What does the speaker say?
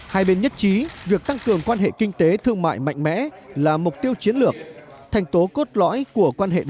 một mươi hai hai bên nhất trí việc tăng cường quan hệ kinh tế thương mại mạnh mẽ là mục tiêu chiến lược thành tố cốt lõi của quan hệ đối tượng